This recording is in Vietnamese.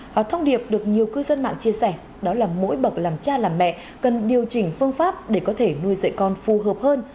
và thông điệp được nhiều cư dân mạng chia sẻ đó là mỗi bậc làm cha làm mẹ cần điều chỉnh phương pháp để có thể nuôi dạy con phù hợp hơn